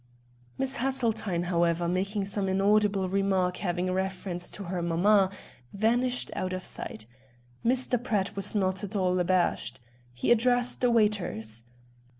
Miss Haseltine, however, making some inaudible remark having reference to her mamma, vanished out of sight. Mr. Pratt was not at all abashed. He addressed the waiters.